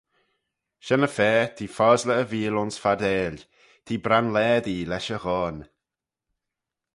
Shen-y-fa t'eh fosley e veeal ayns fardail: t'eh branlaadee lesh e ghoan.